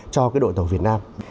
cho cái đội tàu việt nam